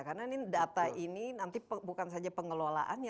karena ini data ini nanti bukan saja pengelolaannya